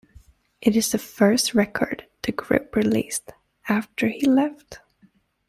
It is the first record the group released after he left.